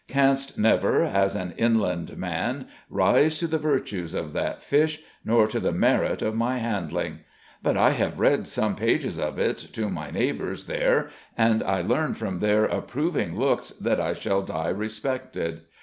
Canst never, as an inland man, rise to the virtues of that fish nor to the merit of my handling. But I have read some pages of it to my neighbours there and I learn from their approving looks that I shall die respected.